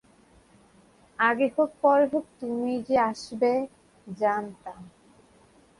আগে হোক পরে হোক, তুমি যে আসবে, জানতাম।